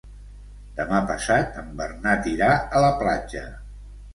Demà passat en Bernat irà a la platja.